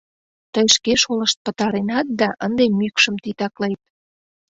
— Тый шке шолышт пытаренат да ынде мӱкшым титаклет!